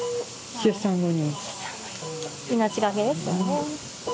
出産後に。